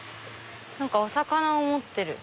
お魚を持ってる。